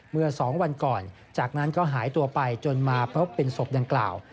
เมื่อ๒วันก่อนจากนั้นก็หายตัวไปจนมาพบเป็นศพดังกล่าว